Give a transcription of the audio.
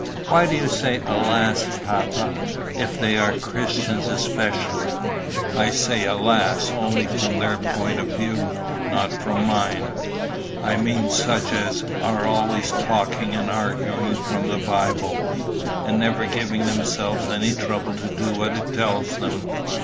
"Why do you say alas, papa if they are Christians especially?" "I say alas only from their point of view, not from mine. I mean such as are always talking and arguing from the Bible, and never giving themselves any trouble to do what it tells them.